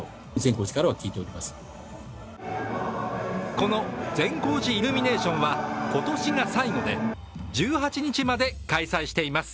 この善光寺イルミネーションは今年が最後で１８日まで開催しています。